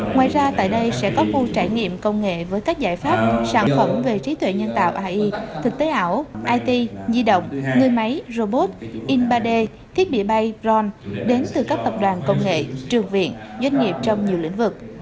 ngoài ra tại đây sẽ có khu trải nghiệm công nghệ với các giải pháp sản phẩm về trí tuệ nhân tạo ai thực tế ảo it di động người máy robot in ba d thiết bị bay drone đến từ các tập đoàn công nghệ trường viện doanh nghiệp trong nhiều lĩnh vực